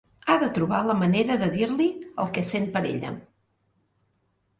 Ha de trobar la manera de dir-li el que sent per ella.